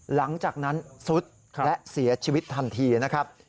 หลังจากนั้นซุดและเสียชีวิตทันทีนะครับ